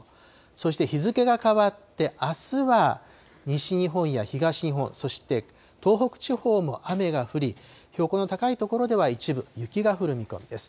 そして日付が変わって、あすは、西日本や東日本、そして東北地方も雨が降り、標高の高い所では一部雪が降る見込みです。